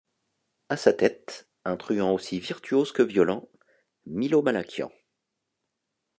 À sa tête, un truand aussi virtuose que violent, Milo Malakian.